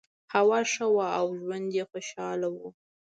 هوا ښه وه او ژوند یې خوشحاله و.